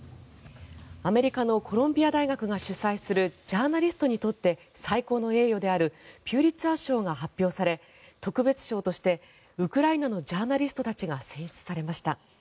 アメリカのコロンビア大学が主催するジャーナリストにとって最高の栄誉であるピュリツァー賞が発表され特別賞としてウクライナのジャーナリストたちが選出されました。